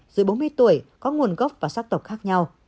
dưới bốn mươi tuổi có nguồn gốc và sắc tộc khác nhau